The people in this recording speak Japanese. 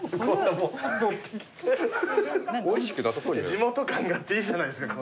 地元感があっていいじゃないですか。